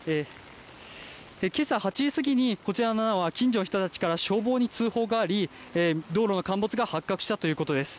けさ８時過ぎに、こちらの穴は近所の人から消防に通報があり、道路の陥没が発覚したということです。